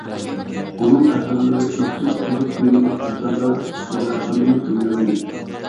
ئۇنىڭ ئەسەرلىرى ئىزچىل قىزىق تېمىلىق ئەسەرلەر سۈپىتىدە سانىلىپ كەلگەنىدى.